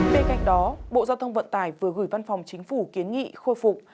bên cạnh đó bộ giao thông vận tải vừa gửi văn phòng chính phủ kiến nghị khôi phục